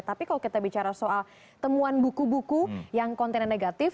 tapi kalau kita bicara soal temuan buku buku yang kontennya negatif